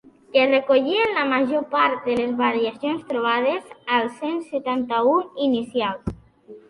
Que recollien la major part de les variacions trobades als cent setanta-un inicials.